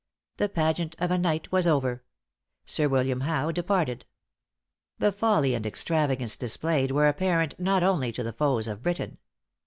The pageant of a night was over; Sir William Howe departed. The folly and extravagance displayed were apparent not only to the foes of Britain.